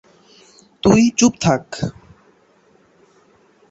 তুই চুপ থাক।